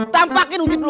tampakin wujud lo